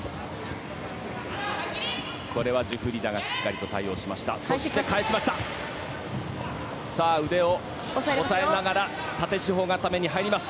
これはジュフリダしっかりと対応しています。